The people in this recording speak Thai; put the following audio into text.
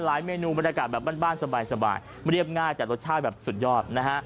เมนูบรรยากาศแบบบ้านสบายเรียบง่ายแต่รสชาติแบบสุดยอดนะฮะ